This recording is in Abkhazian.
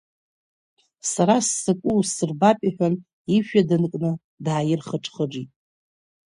Сара сзакәу усырбап, — иҳәан, ижәҩа данкны дааирхыџхыџит.